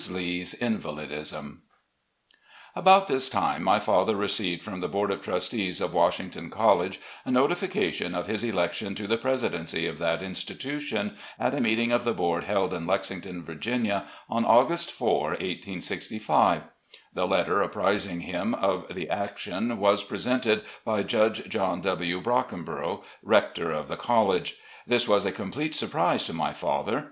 lee's INVALIDISM About this time my father received from the Board of Trustees of Washington College a notification of his election to the presidency of that institution, at a meeting of the board held in Lexington, Virginia, on August 4, 1865. The letter apprising him of the action was pre sented by Judge John W. Brockeribrough, rector of the college. This was a complete surprise to my father.